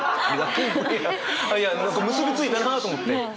いや何か結び付いたなと思って。